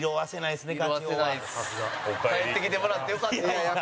帰ってきてもらってよかったわ。